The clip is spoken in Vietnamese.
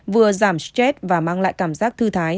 vừa giảm stress và mang lại cảm giác thư thái